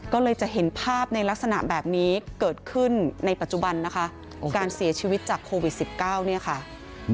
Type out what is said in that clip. ก็เลยจะเห็นภาพในลักษณะแบบนี้เกิดขึ้นในปัจจุบันนะคะการเสียชีวิตจากโควิด๑๙เนี่ยค่ะ